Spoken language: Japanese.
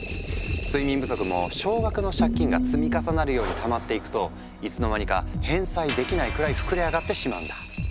睡眠不足も少額の借金が積み重なるようにたまっていくといつの間にか返済できないくらい膨れ上がってしまうんだ。